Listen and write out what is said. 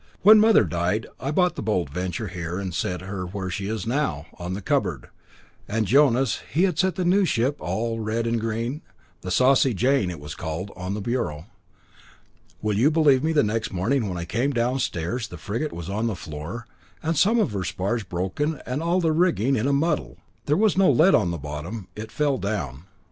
When mother died, I brought the Bold Venture here and set her where she is now, on the cupboard, and Jonas, he had set the new ship, all red and green, the Saucy Jane it was called, on the bureau. Will you believe me, next morning when I came downstairs the frigate was on the floor, and some of her spars broken and all the rigging in a muddle." "There was no lead on the bottom. It fell down."